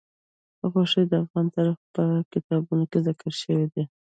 غوښې د افغان تاریخ په کتابونو کې ذکر شوي دي.